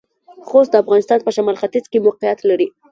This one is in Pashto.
خوست د افغانستان پۀ شمالختيځ کې موقعيت لري.